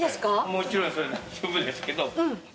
もちろんそれで十分ですけど。